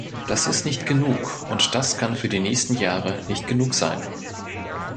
Das ist nicht genug, und das kann für die nächsten Jahre nicht genug sein!